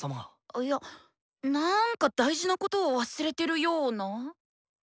あいやなんか大事なことを忘れてるような。